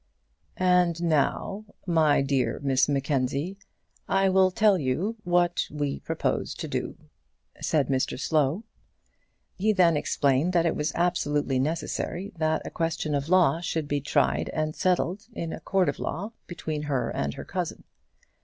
"And now, my dear Miss Mackenzie, I will tell you what we propose to do," said Mr Slow. He then explained that it was absolutely necessary that a question of law should be tried and settled in a court of law, between her and her cousin.